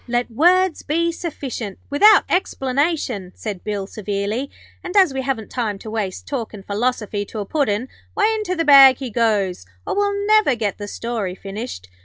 'Let words be sufficient, without explanation,' said Bill, severely. 'And as we haven't time to waste talkin' philosophy to a Puddin', why, into the bag he goes, or we'll never get the story finished.'